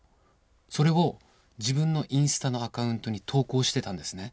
それを自分のインスタのアカウントに投稿してたんですね。